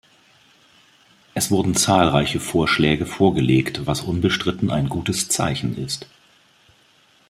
Es wurden zahlreiche Vorschläge vorgelegt, was unbestritten ein gutes Zeichen ist.